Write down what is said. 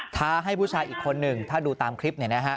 ท้าให้ผู้ชายอีกคนหนึ่งถ้าดูตามคลิปเนี่ยนะฮะ